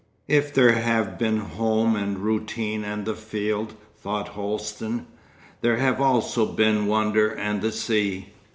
'If there have been home and routine and the field,' thought Holsten, 'there have also been wonder and the sea.